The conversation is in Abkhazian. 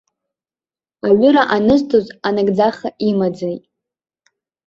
Аҩыра анызҵоз анагӡаха имаӡеит.